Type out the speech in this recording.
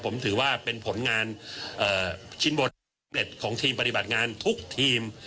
ผมถือว่าเป็นผลงานชิ้นบทเล็ตของทีมปฏิบัติงานทุกทีม